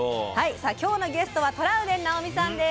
きょうのゲストはトラウデン直美さんです。